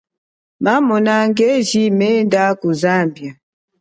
Mamona nyi ngweji menda ku Zambia.